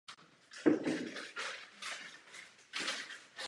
Kde je ta překážka?